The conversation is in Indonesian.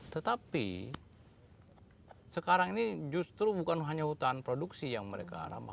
tetapi sekarang ini justru bukan hanya hutan produksi yang mereka ramah